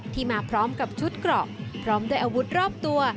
มาพร้อมกับชุดเกราะพร้อมด้วยอาวุธรอบตัว